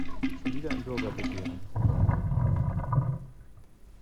Schon wieder ein Bürgerbegehren.